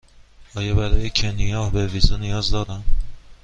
آیا برای کنیا به ویزا نیاز دارم؟